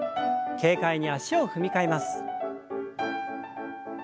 軽快に脚を踏み替えます。